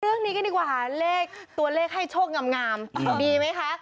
เรื่องนี้กันดีกว่าค่ะเลขตัวเลขให้โชคงามดีไหมคะ